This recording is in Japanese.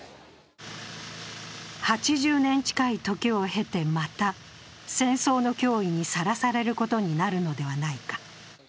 ８０年近い時を経てまた、戦争の脅威にさらされることになるのではないか。